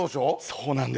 そうなんです。